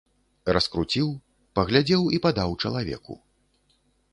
Раскруціў, паглядзеў і падаў чалавеку.